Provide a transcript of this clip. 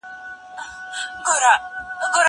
زه پرون د زده کړو تمرين کوم!؟